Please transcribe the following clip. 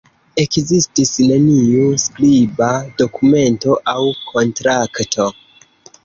Ekzistis neniu skriba dokumento aŭ kontrakto.